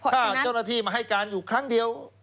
ถ้าเจ้าหน้าที่มาให้การอยู่ครั้งเดียว